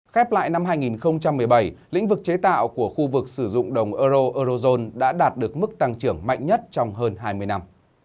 khép lại năm hai nghìn một mươi bảy lĩnh vực chế tạo của khu vực sử dụng đồng euro eurozone đã đạt được mức tăng trưởng mạnh nhất trong hơn hai mươi năm